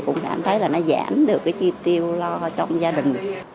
cũng cảm thấy là nó giảm được cái chi tiêu lo trong gia đình